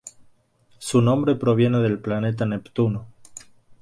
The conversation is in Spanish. Su nombre proviene del planeta Neptuno.